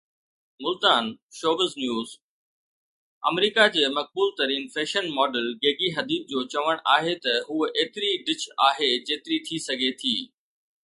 ملتان (شوبز نيوز) آمريڪا جي مقبول ترين فيشن ماڊل گيگي حديد جو چوڻ آهي ته هوءَ ايتري ڊچ آهي جيتري ٿي سگهي ٿي.